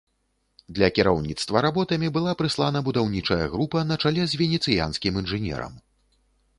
Для кіраўніцтва работамі была прыслана будаўнічая група на чале з венецыянскім інжынерам.